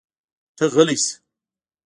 ته غلی شه!